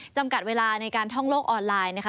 จำกัดเวลาในการท่องโลกออนไลน์นะคะ